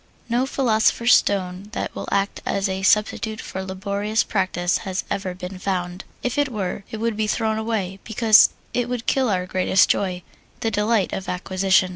No philosopher's stone that will act as a substitute for laborious practise has ever been found. If it were, it would be thrown away, because it would kill our greatest joy the delight of acquisition.